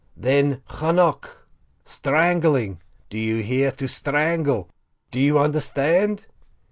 "Then Cheneck — strangling! Do you hear? To strangle! Do you understand?